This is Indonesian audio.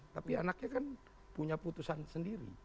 tapi anaknya kan punya putusan sendiri